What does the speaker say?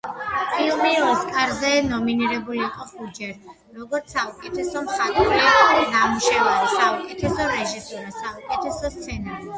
ფილმი ოსკარზე ნომინირებული იყო ხუთჯერ, როგორც საუკეთესო მხატვრული ნამუშევარი, საუკეთესო რეჟისურა, საუკეთესო სცენარი.